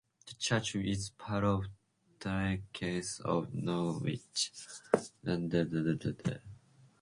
The church is part of the Diocese of Norwich, under the Archdiocese of Hartford.